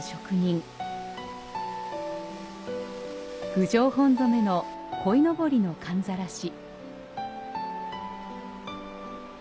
郡上本染の鯉のぼりの寒ざらし。